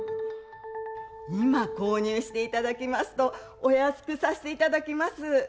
今購入していただきますと、お安くさせていただきます。